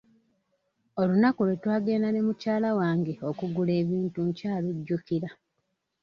Olunaku lwe twagenda ne mukyala wange okugula ebintu nkyalujjukira.